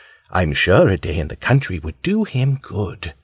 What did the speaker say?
I'm sure a day in the country would do him good.